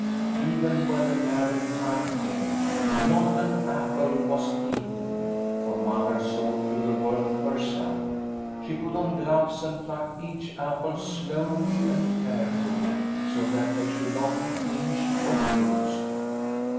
Even when the gathering time came, not an apple was eaten, for Mother saw to the work herself. She put on gloves and plucked each apple slowly and care fully, so that they should not be pinched or bruised.